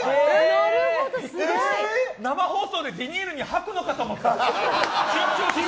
生放送でビニールに吐くのかと思った。